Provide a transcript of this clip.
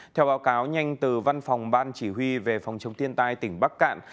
theo báo cáo nhanh từ văn phòng ban chỉ huy về phòng chống thiên tai tỉnh bắc cạn